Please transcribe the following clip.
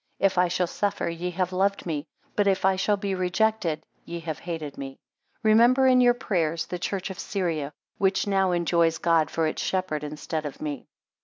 If I shall suffer, ye have loved me: but if I shall be rejected, ye have hated me. 9 Remember in your prayers the church of Syria, which now enjoys God for its shepherd instead of me.